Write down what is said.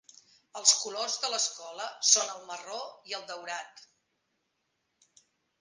Els colors de l'escola són el marró i el daurat.